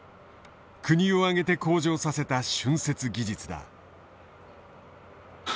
国を挙げて向上させた浚渫技術だ。